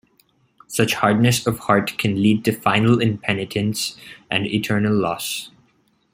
Such hardness of heart can lead to final impenitence and eternal loss.